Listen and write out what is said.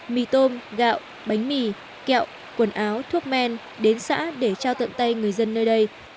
mì tôm gạo bánh mì kẹo quần áo thuốc men đến xã để trao tận tay người dân nơi đây